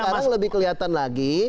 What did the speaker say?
sekarang lebih kelihatan lagi